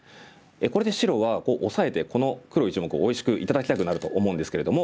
これで白はオサえてこの黒１目をおいしく頂きたくなると思うんですけれども。